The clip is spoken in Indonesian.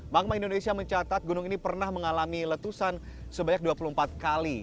bank bank indonesia mencatat gunung ini pernah mengalami letusan sebanyak dua puluh empat kali